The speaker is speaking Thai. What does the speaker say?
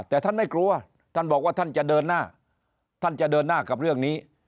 แต่ท่านไม่กลัวท่านบอกว่าท่านจะเดินหน้าท่านจะเดินหน้ากับเรื่องนี้